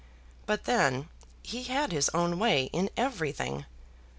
But, then, he had his own way in everything.